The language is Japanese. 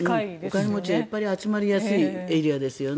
お金持ちがいっぱい集まりやすいエリアですよね。